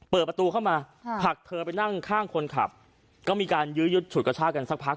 เปิดประตูเข้ามาผลักเธอไปนั่งข้างคนขับก็มีการยื้อยุดฉุดกระชากันสักพัก